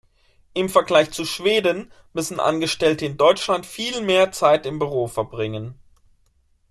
Im Vergleich zu Schweden müssen Angestellte in Deutschland viel mehr Zeit im Büro verbringen.